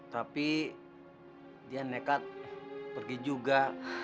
tapi dia nekat pergi juga